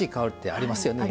ありますね。